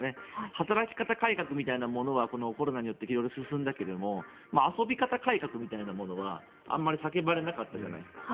働き方改革みたいなものはコロナによって進んだけれども遊び方改革みたいなものはあまり叫ばれなかったじゃないですか。